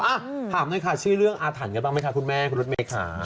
อ่ะถามหน่อยค่ะชื่อเรื่องอาถรรพ์กันบ้างไหมคะคุณแม่คุณรถเมฆค่ะ